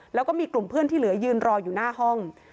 แล้วก็มีกลุ่มเพื่อนที่เหลือยืนรออยู่หน้าห้อง